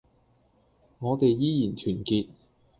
我哋依然團結